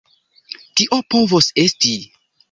Tio povos esti.